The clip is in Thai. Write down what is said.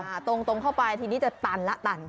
ตรงตรงเข้าไปทีนี้จะตันละตัน